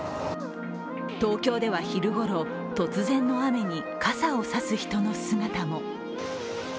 東京では昼ごろ、突然の雨に傘を差す人の姿も。